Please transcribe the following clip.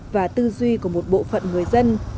và tư duy của một bộ phận người dân